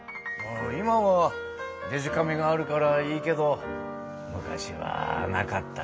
今はデジカメがあるからいいけど昔はなかったからね。